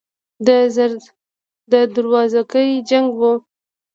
د دروازګۍ جنګ و.